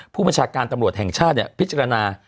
ผู้บัญชาการตำรวจแห่งชาติพิจารณา